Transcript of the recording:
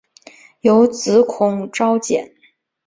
有子孔昭俭。